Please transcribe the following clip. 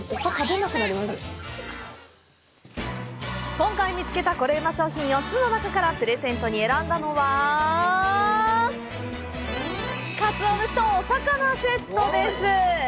今回見つけたコレうま商品４つの中からプレゼントに選んだのはかつお節とお魚セットです！